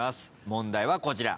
問題はこちら。